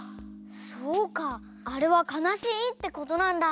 そうかあれはかなしいってことなんだ。